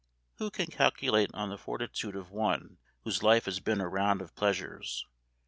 Who can calculate on the fortitude of one whose life has been a round of pleasures?